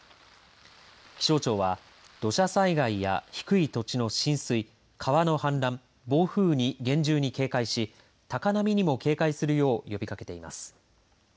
気象庁は土砂災害や低い土地の浸水、川の氾濫、暴風に厳重に警戒し高波にも警戒するよう呼びかけています。